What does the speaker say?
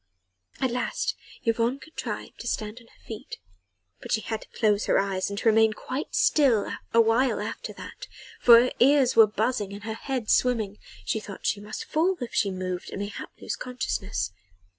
At last Yvonne contrived to stand on her feet; but she had to close her eyes and to remain quite still for awhile after that, for her ears were buzzing and her head swimming: she thought that she must fall if she moved and mayhap lose consciousness.